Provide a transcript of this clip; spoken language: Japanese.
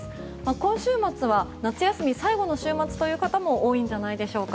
今週末は夏休み最後の週末という方も多いんじゃないでしょうか。